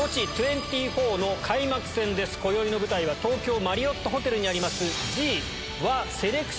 今宵の舞台は東京マリオットホテルにあります。